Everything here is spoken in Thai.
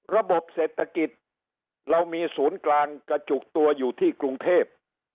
ระบบเศรษฐกิจเรามีศูนย์กลางกระจุกตัวอยู่ที่กรุงเทพ